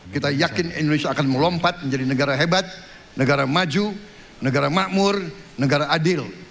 kita yakin indonesia akan melompat menjadi negara hebat negara maju negara makmur negara adil